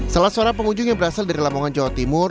salah seorang pengunjung yang berasal dari lamongan jawa timur